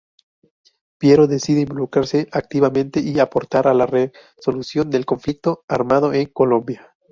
Piero decide involucrarse activamente y aportar a la resolución del conflicto armado en Colombia.